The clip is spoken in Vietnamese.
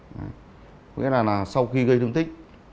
nghĩa là là sau khi gây thương tích